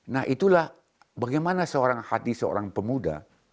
nah itulah bagaimana seorang hati seorang pemuda